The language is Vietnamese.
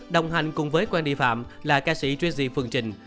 đồng hành cùng với quang đị phạm là ca sĩ tracy phương trình